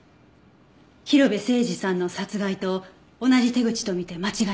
広辺誠児さんの殺害と同じ手口と見て間違いないわ。